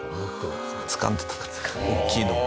つかんでたから大きいのを。